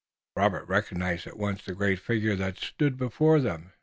Robert recognized at once the great figure that stood before them.